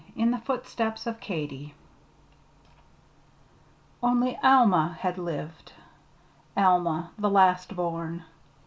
In the Footsteps of Katy Only Alma had lived Alma, the last born.